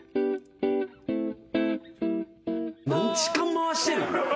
何時間回してんの？